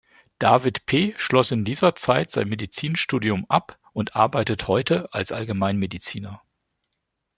David Pe schloss in dieser Zeit sein Medizinstudium ab und arbeitet heute als Allgemeinmediziner.